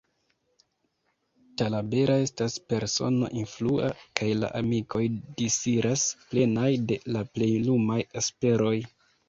Talabera estas persono influa, kaj la amikoj disiras, plenaj de la plej lumaj esperoj.